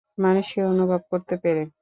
মানুষটাকে অনুভব করতে পেরে।